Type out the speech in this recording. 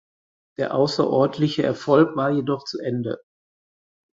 Der außerordentliche Erfolg war jedoch zu Ende.